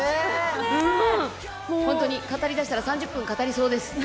本当に語りだしたら、３０分語りそうです。